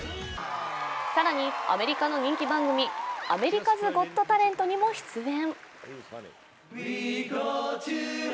更に、アメリカの人気番組「アメリカズ・ゴット・タレント」出演。